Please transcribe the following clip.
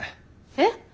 えっ？